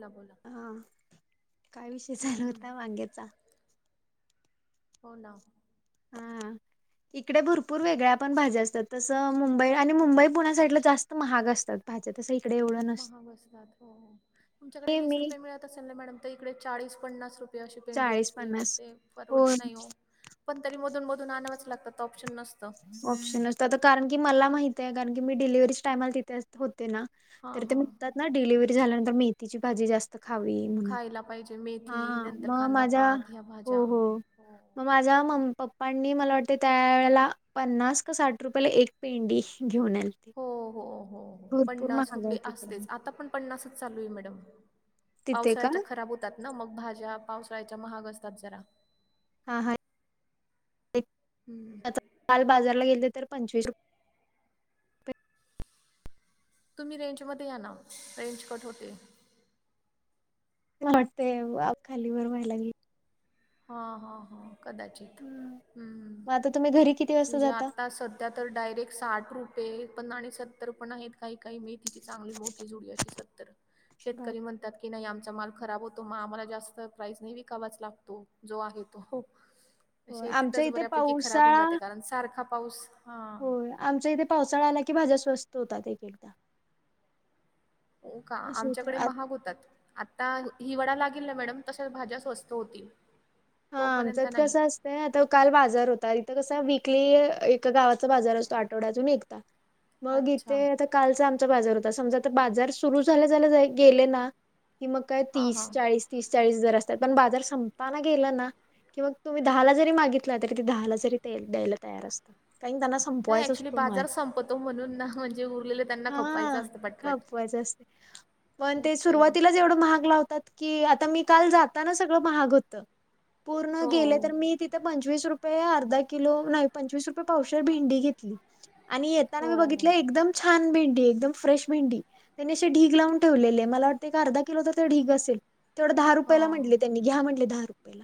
बोला बोला हा काय विषय चालू हम्म हम्म होता [inaudible] मागेचा? हो ना. हम्म इकडे भरपूर वेगळ्या पण भाज्या असत्यात. तसं मुंबई आणि मुंबई पुण्या साइडला जास्त महाग असतात. पाहिजे तस इकडे एवढं नसतं महाग असतात हो. तुमच्याकडे हे वीस मी रुपये मिळत असेल ना मॅडम तर इकडे चाळीस पन्नास रुप ते अशी पेंडी चाळीस असते मग पन्नास ते होय परवडत नाई ओ. पण तरी मधून मधून आणावंच लागतं ऑप्शन नसतं. ऑप्शन नसतो आता कारण की मला माहितीये कारण की डिलिव्हीच्या टायमाला तिथे अस होते ना हां तर ते हां म्हणतात ना डिलिव्हरी झाल्यानंतर मेथीची भाजी जास्त खावी म्हणून खायला पाहिजे हा मेथी नंतर मग माझ्या कांदापात ह्या भाज्या हों हों मग माझ्या म पप्पांनी मला वाटतेंय त्यावेेळेला पन्नास का साठ रुपयाला एक पेंडी घेऊन आलती. हो हो हो पन्नास रुपये आसतेच तिकडे आता पण पन्नासच चालूयं मॅडम तिथे का पावसाळ्याच्या खराब होतात ना मग भाज्या पावसाळ्याच्या महाग असतात जरा त हां हां हम्म [inaudible] काल बाजारला गेलेते तर पंचवीस रुप तुम्ही रेंजमध्ये या ना रेंज कट होतेयं. वाटतंय वाफ खालीवर वाहलागलेय. हां हां हां कदाचित हम्म. हूं मग आता तुम्ही घरी किती वाजता म्हणजे जाता आता सध्या तर डायरेक्ट साठ रुपये पण आणि सत्तर पण आहेत काही काही मेथी ती चांगली मोठी जुडी अशी सत्तर बाप शेतकरी मंत त्यात की नाही आमचा माल खराब होतो मग आम्हाला जास्त प्राईज नी विकावाच लागतो जो आहे तो. होय आमचा इथे पावसाळा अन् सारखा पाऊस हां होय आमच्या इथे पावसाळा आला की भाज्या स्वस्त होतात एक एकदा. हों का! असं आमच्याकडे होत महाग होतात. आता हिवडा लागील ना मॅडम तशा भाज्या स्वस्त होतील. हां तोपर्यंत आमच्यात नाही. कसं असतंय आता काल बाजार होता इथं कस विकली ए त गावाचा बाजार असतो आठवड्यातून एकदा मग अच्छा इथे आता कालचा आमचा बाजार होता समजा आता बाजार सुरु झाल्या झाल्या गेले ना कि मग काय हां तीस, हां. चाळीस तीस, चाळीस दर असतात पण बाजार संपताना गेला नां कि मग तुम्ही दहाला जरी मागितला तरी ते दहाला जरी द्यायला तयार असतात कारण की त्यांना नाही संपवायच ॲक्च्युली असतो माल बाजार संपतो म्हणून ना म्हणजे उरलेलं त्यांना खपवायचं हां असतं पटपट. खपवायच असतोय. पण ते ओके. सुरुवातीलाच एवढं महाग लावतात की आता मी काल जाताना सगळं महाग होत पूर्ण हो, गेले तर मी ति ते पंचवीस रुपये अर्धा किलो नाही पंचवीस रुपये पावशर भेंडी घेतली आणि येताना मी हो. बघितलं एकदम छान भेंडी एकदम फ्रेश भेंडी त्याने अशे ढीग लावून ठेवलेले, मला वाटतंय एक अर्धा किलो तर ते ढीग असेल. तेवढं दहा रुपयाला हां. म्हटले त्यांनी घ्या म्हंटले दहा रुपयला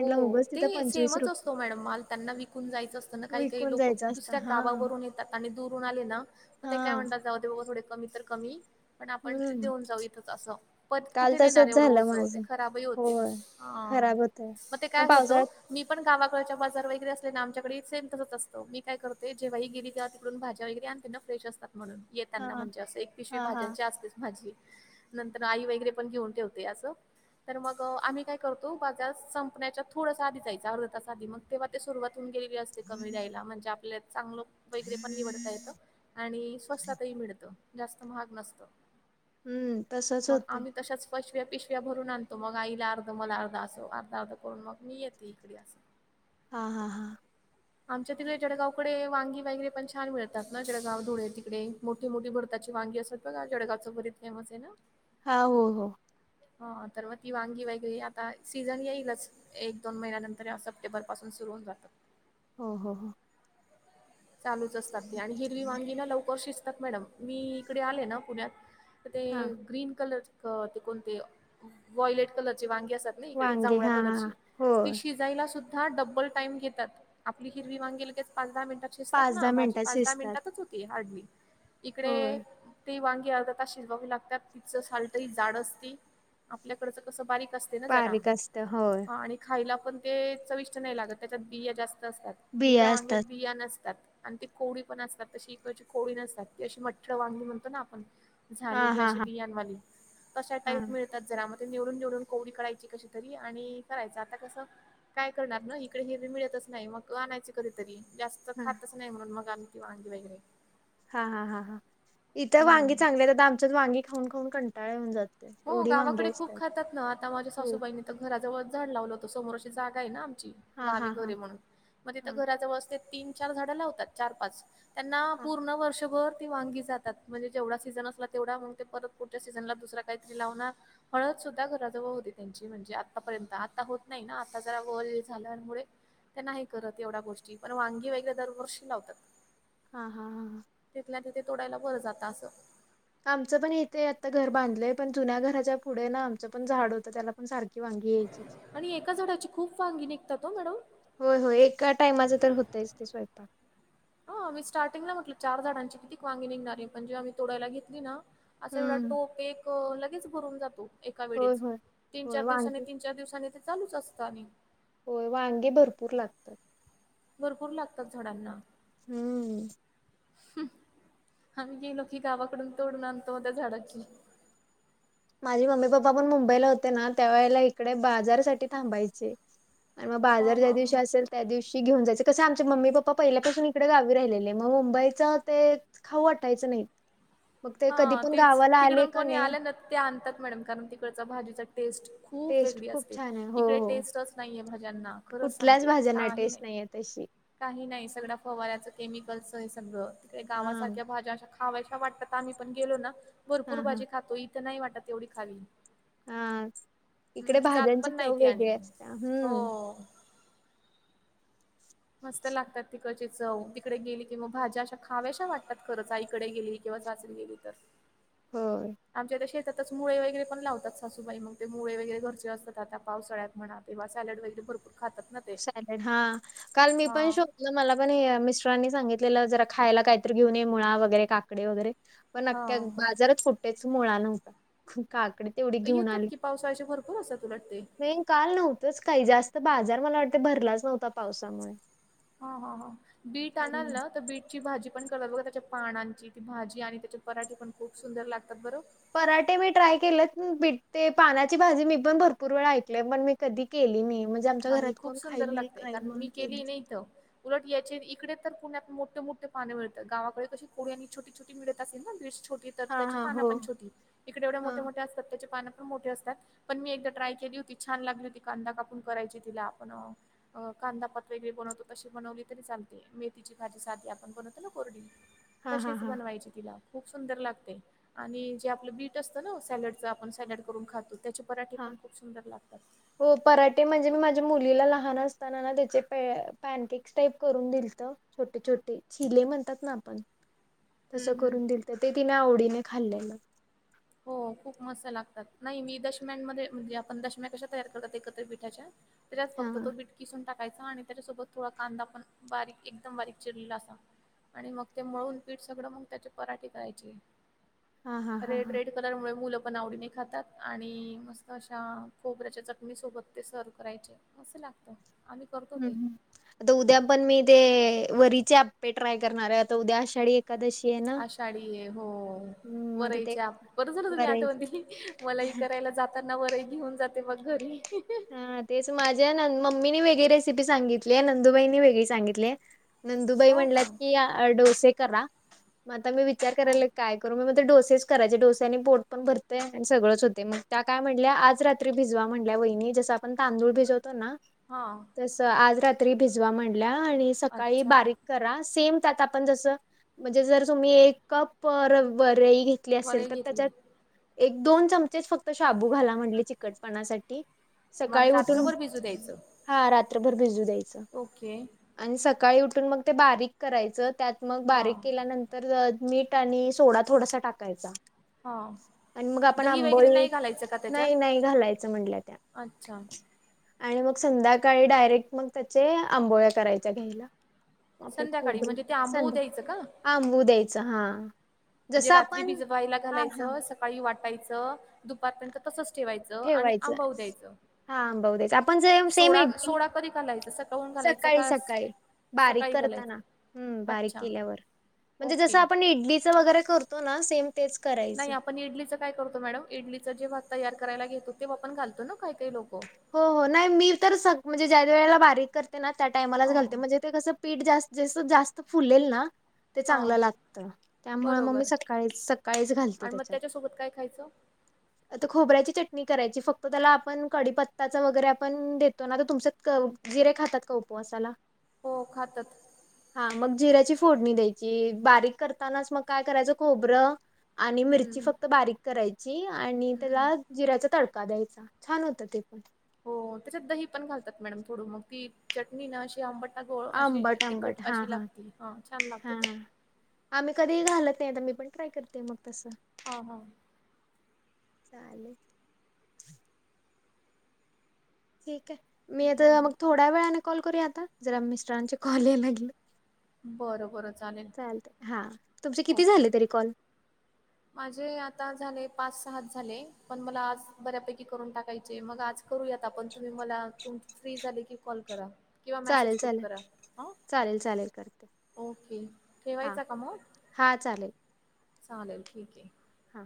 हों ते सेमच असतो मॅडम माल त्यांना विकून जायचं असत ना काही काही विकून लोक जायचं दुस असतं ज्या हा गावावरून येतात आणि दूरून आले ना मग ते काय हा म्हणतात जाऊ ते बाबा थोडे कमी तर कमी. पण आपण हम्म देऊन जाऊ इथच असं परत काल कुठे नेणार तसच एवढं झालं ओझ माझ ते खराबही होतेय. होय हां खराब मग ते होतय काय होतं पावसाळ्यात मी पण गावाकडच्या बाजार वगैरे असले ना आमच्याकडे सेम तसंच असत मी काय करते जेव्हाही गेली तेव्हा तिकडून भाज्या वगैरे आ ते ना फ्रेश असतात म्हणून हा येताना म्हणजे असं एक पिशवी हा हा भाज्यांची असतेच माझी. नंतर आई वगैरे पण घेऊन ठेवते असं तर मग आम्ही काय करतो बाजार संपण्याच्या थोडस आधी जायच अर्धा तास आधी मग तेव्हा ते सुरुवात होऊन गेले असते, कमी द्यायला म्हणजे आपल्या चांगल वगैरे पण निवडता येत आणि स्वस्तातही मिडत जास्त महाग नसत. हम्म तसच मग होतय आम्ही तशाच पशव्या पिशव्या भरून आणतो मग आईला अर्ध मला अर्ध अस दादा कडून मग मी येते इकडे असं हा हा हा आमच्या तिकडे जडगावकडे वांगीगैे पण छान मिळात ना जळगाव धुळे तिकडे मोठी मोठी भरताची वांगी असत जळगाव च भरीत फेमस आहे ना हा हो हो हा तर मग ती वांगी वगैेरे आता सीझन येईल बस एक दोन महिन्यानंतर या सप्टेंबर पासून सुरू होऊ जात हो हो हो चालूच असतात ते आणि हिरवी वांगी ना लवकर शिजतात मॅडम मी इकडे आले ना पुण्यात तर ते हा ग्रीन कलर कोणते वॉयलेट कलरचे वांगी असतात ना इकडे वांगे जांभळ्या हा कलरची होय शिजायला सुद्धा डबल टाइम घेतात आपली हिरवी वांगी लगेच पाच दहा मिनिटात शिजतात पाच ना दहा भाजी मिनिटात पाच दहा शिजतात मिनिटातच होती हार्डली इकडे होय ती वांगी अर्धा तास शिजवावी लागतात तिचं सालतह जाड असती आपल्याकडचं कसं बारीक असत बारीक असतं हो आणि खायला पण ते चविष्ट नाही लागत त्याच्यात बिया जास्त असतात बिया हिरव्या वांग्यात असतात बिया नसतात आणि ते कोवळी पण असतात तशी इकडची कोवळी नसतात की अशी मठ वांगी म्हणतो ना आपण हा झालेली हा अशी हा बियांवाले तशा हा टाईप मिळतात जरा मग ते निवडून निवडून कोवडी करायची कशी करायच आता कस काय करणार इकडे हिरवी मिळतच नाही मग आणायचं कधीतरी जास्त हा खातच नाही म्हणून मग की वांगी वगैरे हा हा हा हा इथं वांगी हम्म चांगले आहेत आमच्यात वांगी खाऊन खाऊन कंटाळा येऊन जातो हो गावाकडे खूप खातात ना आता माझ्या हो सासूबाईनी घरा जवळच झाड लावलं होतं समोर अशी जागा आहे ना आमची हा गावी हा हा घरे म्हणून मग तिथं हा घराजवळ असते तीन चार झाडं लावतात चार पाच त्यांना हा पूर्ण वर्षभर ती वांगी जातात म्हणजे जेवढा सीझन असला तेवढा मग ते परत पुढच्या् सीझनला दुसरा काहीतरी लावणार हळद सुद्धा घराजवळ होती त्यांची म्हणजे आतापर्यंत आता होत नाही ना आता जरा वय झाल्यामुळे ते नाही करत एवढ्या गोष्टी पण वांगी वगैरे दरवर्षी लावतात हा हा ह तिथल्या तिथे तोडायला बरं जातं असं आमचं पण येते आता घर बांधलंय पण जुन्या घराच्या पुढे ना आमचं पण झाड होतं त्याला पण सारखे आणि एका झाडाची खूप वांगी निघतात हो मॅडम होय होय एका टायमाचं तर होतयच ते स्वयंपाक हा मी स्टार्टिंग म्हटलं चार झाडांची किती वांगी निघणारे म्हणजे आम्ही तोडायला घेतली ना असा एवढा हम्म टोप एक लगेच भरून जातो एका होय वेळेच होय तीन होय चार दिवसानी वांगी तीन च्या दिवसानी ते चालूच असता आणि होय वांगे भरपूर लागतात भरपूर लागतात झाडांना हम्म आम्ही गेलो की गावाकडून तोडून आणतो मग त्या झाडाची माझी मम्मी पप्पा पण मुंबईला होते ना त्या वेळेला इकडे बाजारासाठी थांबायचे आणि मग बाजार हा ज्या हा हा दिवशी असेल त्या दिवशी घेऊन जायचे कसे आमचे मम्मी पप्पा पहिल्यापासून इकडे गावी राहिलेले मग मुंबईच ते खाऊ वाटायचं नाहीत मग ते कधी हा पण तेच गावाला आले तिकडून का कोणी नाही. आलं ना ते आणतात मॅडम कारण तिकडचा भाजीचा टेस्ट खूप टेस्ट वेगळी खूप असते छान आहे हो तिकडे हो टेस्ट अस. नाय्य भाज्यांना खरंच कुठल्याच सांगते भाज्यांना काही टेस्ट नाही. आहे तशी काही नाही सगळ्या फवऱ्याचं केमिकलस हे सगळं तिकडे हा गावासारख्या भाज्या अशा खावायश्या वाटतात. आम्ही पण गेलो ना भरपूर हा हा भाजी खातो इथं नाही वाटत तेवढी खावी. हा इकडे हम्म जात भाज्यांची पण चव नाहीती आणि वेगळी असते हो. हम्म मस्त लागतात त कचित. जा तिकडे गेली किं मवा भाज्या अशा खाव्याशा वाटतात खरंच आईकडे गेली किंवा जाचरी गेली तरस. हो. आमच्या त्या शेतातच मुळे वगैरे पण लावतात सासूबाई मग ते मुळे वगैरे घरचे असतात आता पावसाळ्यात म्हणत. तेव्हा सॅलड वगैे भरपरात. सॅलेड हा काल मी पण शो. मला पण मिस्टरांनी सांगितलेलं जरा खायला काहीतरी घेऊन ये मुळा वगैरे काकडे वगैरे. पण अखख्या हा बाजारात कुठेच मुळा नव्हत. काकडी तेवढी घेऊन येतात आली की पावसाळ्याचे भरपूर असतात उलट ते नाही. काल नव्हतंच काही जास्त बाजार मला वाटते भरलाच नव्हता पावसामुळे. हा हा हा बीट आणाल हम्म. ना तर बीट. ची भाजी पण करतात बघा त्याच्या पानांची ती भाजी आणि त्याचे पराठे पण खूप सुंदर लागतात बरो. पराठे मी ट्राय केले बते ते पानाची भाजी मी पण भरपूर वेळ ऐकले पण मी कधी केली नाही. आमच्या नाही घरात खूप कोण खाईल सुंदर नाही लागते खाईल कारण म्हणून मी केली नाहीथ. उलट यायचे इकडे तर पुण्यात मोठे मोठे पाने मिळतात गावाकडे कशी को आणि छोट. ळ असे नाी छोटी तर हां त्याची हां पाना हो. पण छोटी इकडे एव मोठे हां मोठे असतात त्याचे पाना. मोठे असतात पण मी एकदा ट्राय केली होती छान लागली होती कांदा कापून करायची तिला आपण. कांदापात वगरे बनवतो तशी बनवली तरी चालते मेथीची भाजी साधी आपण बनवतो ना गोरडी. हां हां तशीच हां बनवायचे तिला. खूप सुंदर लागते आणि जे आपलं बीट असतं ना सॅलडचं आपण सॅलड करून खातो. त्याचे पराठीे हां. पण खूप सुंदर लागतात. हो पराठे म्हणजे मी माझ्या मुलीला लहान असताना ना त्याचे प पॅनकेक् टाईप करून दिलत. छोटे छोटे चिले म्हणतात ना आपण. तसं हम्म हम्म. करून दिल तर ते तिने आवडीने खाल्लेलं. हो खूप मस्त लागतात नाही मी दशम्यांमध्ये म्हणजे आपण दशम्या कशा तयार करतात एकत्र पीठाच्या. त्यात हा फक्तो बिट किसून टक. य आणि त्याच्यासोबत थोडा कांदा पण बारीक एकदम बारीक चिरलेला अस. आणि मग ते मळून पीठ सगळं मग त्याचे पराठीे करायचे. हा हा हा रेड हां. रेड कलरमुळे मुलं पण आवडीने खातात आणि मस्त अशा खोबऱ्याच्या चटणीसोबत ते सर्व करायचे. कं लागतं. आम्ही करतो ह् ते. आता उद्या पण मी ते वरीचे आपपे ट्राय करणार आहे आता उद्या आशाी. कदशी. आषाढी आहे हो. आता ते बरायच्या बरं झारा तुम्ही करायच. आठवण दिली मला ह करायला जात. त्यांना बरे घेऊन जाते मग घरी. हा तेच माझ्या मम्मीने वेगळी रेसिपी सांगितली नंदुबाईनी वेगळी सांगितले. नंदुबाई हो का? म्हणल्यात की डोसे करा. म आता मी विचार हां करालोय काय करू मग डोसेस कराचे डोस्या आणि पोट पण भरतय आणि सगळंच होतय मग त्या काय म्हणल्या आज रात्री भिजवा म्हणल्या वहिनी. जस आपण तांदूळ भिजवतो ना. हा जसं आज रात्री भिजवा म्हणल्या आणि सकाळी अच्छा बारीक करा सेम त्यात आपण जस म्हणजे जर तुम्ही एक कप वरई घे वरई असेल तर घेतली. त्याच्यात एक दोन चमचेच फक्त शाबू घाला म्हटले चिकटपणासाठी. सकाळी म्हणजे उठून रात्रभर भिजू द्यायचं हा रात्रभर भिजू द्याई ओके. आणि सकाळी उठून मग ते बारीक करायचं त्यात मग बारीक हां. केल्यानं तर मीठ आणि सोडा थोडासा टाकायचा. हां आणि मग आपण दही वगैरे आंबोळी नाही घालायचं का त्याच्यात? नाही नाही घालायचं म्हटल्या त्या. अच्छा! आणि मग संध्याकाळी डायरेक्ट मग त्याचे आंबोळ्या करायच्या घ्यायला. आपले संध्याकाळी खोबरे म्हणजे ते आंबू संध्या द्यायचं का?. आंबू द्यायचं हा. म्हणजे जसं रात्री आपण भिजवायला हा हा घालायचं सकाळी वाटायचं, दुपारपर्यंत तसंच ठेवायचं आणि आंबाऊ द्यायचं. हा आंबव दे आपण ज सेम सोडा इडली सोडा कधी घालायचा सकाळून घालायचा सकाळी का सकाळी बारीक सकाळी करताना घालायचं. हम् बारीक अच्छा केल्यावर म्हणजे जस ओके. आपण इडलीच वगैरे कर तो ना सेम. तेच करायचं नाही आपण इडलीचं काय करतो मॅडम इडलीच जेव्हा तयार करायला घेतो ते आपण घालतो ना काही काही लोक. हो हो नाही मी तर सग म्हणजे ज्या वेळेला बारीक करते ना त्या टाइमालाच हा घालते म्हणजे ते कसं पीठ जास्त जस जास्त फुलेल ना ते हा चांगलं लागतं त्यामूळ मग मी बरोबर सकाळीच सकाळीच घालते आणि मग त्याच्यात. त्याच्यासोबत काय खायचं? आता खोबऱ्याची चटणी करायची फक्त त्याला आपण कडीपत्. त्याच वगैरे आपण देतो ना. तर तुमच्यात जिरे खातात का उपवासाला? हो खातात. हा मग जिऱ्याची फोडणी द्यायची बारीक करतानाच मग काय करायचं खोबरं आणि मिरची हम्म फक्त बारीक करायची आणि हम्म. त्याला जिऱ्याचा तडका द्यायचा. छान होतं ते पण. हो त्याच्यात दही पण घालतात मॅडम थोड मग ती चटणी ना अशी आंबट गोड अशी आंबट आंबट. तिखट हा, अशी हा. लागते हा छान लागत हा, ते. हा. आम्ही कधीही घालत नाही आता मी पण ट्राय करतेय मग तसं. हा हा. चालेल. ठीक आहे. मी हम्म, आता हम्म, मग थोड्या वेळाने कॉल करू आता जरा मिस्टरांचे कॉल या लागले. हम्म. बरं बरं चालेल चालते हा. तुमचे किती ओके. झाले तरी कॉल? माझे आता झाले पाच सात झाले पण मला आज बऱ्यापैकी करून टाकायचे मग आज करूयात आपण तुम्ही मला त फ्री झाली की कॉल करा. किंवा मेसेज चालेल कूट चालेल करा ह चालेल चालेल करते ओके. ठेवायचा का मग? हा चालेल. चालेल ठीक आहे. हां